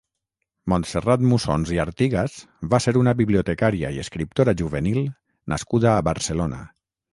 Montserrat Mussons i Artigas va ser una bibliotecària i escriptora juvenil nascuda a Barcelona.